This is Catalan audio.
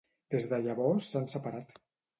Des de llavors s'han separat.